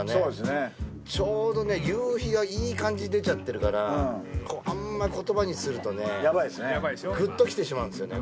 ちょうどね夕日がいい感じに出ちゃってるからあんまり言葉にするとねやばいですねグッときてしまうんですよね